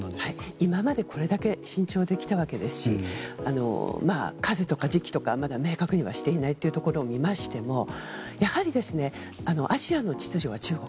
今までこれだけ慎重に来たわけですし数とか時期とか明確にしていないことも含めてやはりアジアの秩序は中国。